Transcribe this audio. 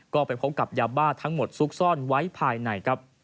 ก็ไปพบกับยาบ้าทั้งหมดซุกซ่อนไว้ภายในครับ